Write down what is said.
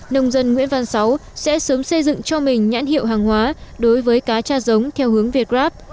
nông dân nguyễn văn sáu sẽ sớm xây dựng cho mình nhãn hiệu hàng hóa đối với cá cha giống theo hướng việt gáp